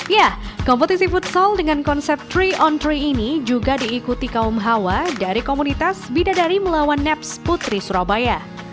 ya kompetisi futsal dengan konsep tiga on tiga ini juga diikuti kaum hawa dari komunitas bidadari melawan neps putri surabaya